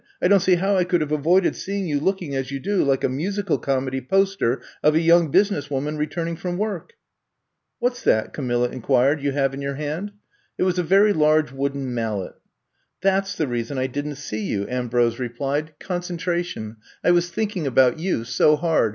I don't see how I could have avoided seeing you looking as you do, like a musical comedy poster of a young business woman returning from work." What 's that," Camilla inquired, ^*you have in your hand f " It was a very large wooden mallet. *'That 's the reason I didn't see you," 26 Ik I'VE COME TO STAY 27 Ambrose replied. Concentration. I waa thinking about you so hard.